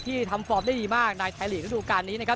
ที่ทำฟอร์ฟได้ดีมากในไทยหลีคต้วงการนี้นะครับ